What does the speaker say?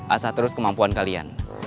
asah terus kemampuan kalian